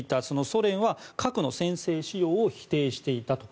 ソ連は核の先制使用を否定していたと。